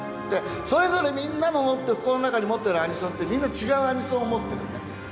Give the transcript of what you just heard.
それぞれみんなの持っている、心の中に持っているアニソンって、みんな違うアニソンを持ってるのね。